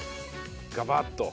ガバッと。